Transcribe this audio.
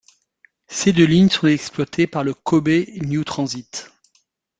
Ces deux lignes sont exploitées par le Kobe New Transit.